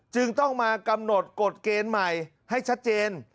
จึงต้องมากำหนดกฎเกณฑ์ใหม่ให้ชัดเจน